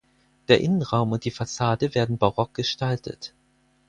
Der Innenraum und die Fassade werden barock gestaltet.